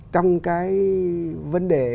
trong cái vấn đề